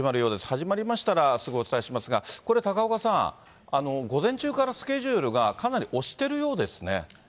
始まりましたらすぐお伝えしますが、これ、高岡さん、午前中からスケジュールがかなり押してるようですね。